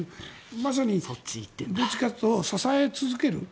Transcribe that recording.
まさに、どっちかというと支え続ける。